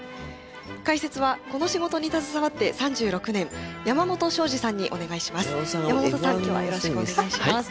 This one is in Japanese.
解説はこの仕事に携わって３６年山本昭二さんにお願いします。